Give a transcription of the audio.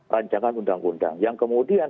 rancangan undang undang yang kemudian